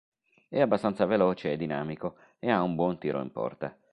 È abbastanza veloce e dinamico e ha un buon tiro in porta.